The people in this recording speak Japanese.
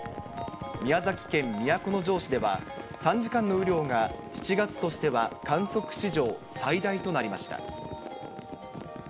宮崎県都城市では、３時間の雨量が７月としては観測史上最大となりました。